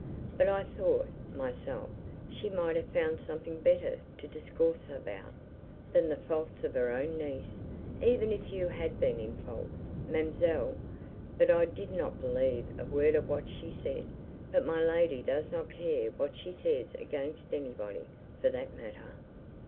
But I thought, myself, she might have found something better to discourse about, than the faults of her own niece, even if you had been in fault, ma'amselle; but I did not believe a word of what she said. But my lady does not care what she says against anybody, for that matter."